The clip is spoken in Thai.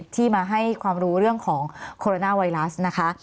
ที่มาให้ความรู้เรื่องของโคโรนาไวรัสนะคะ